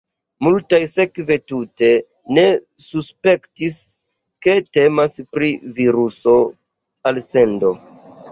Multaj sekve tute ne suspektis, ke temas pri viruso-alsendo.